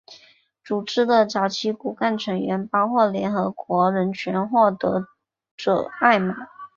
组织的早期骨干成员包括联合国人权奖得主艾玛。